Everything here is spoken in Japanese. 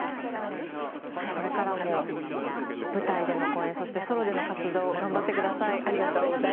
これからも舞台での公演そして、ソロでの活動頑張ってください。